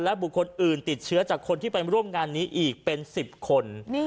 บุคคลอื่นติดเชื้อจากคนที่ไปร่วมงานนี้อีกเป็น๑๐คน